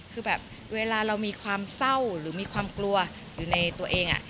คือแบบเวลาเรามีความเศร้าหรือมีความกลัวอยู่ในตัวเอง